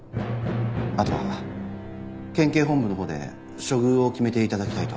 あとは県警本部のほうで処遇を決めて頂きたいと。